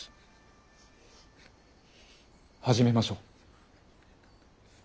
始めましょう。